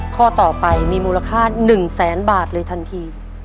ข้อต่อไปมีมูลค่า๑แสนบาทเลยทันที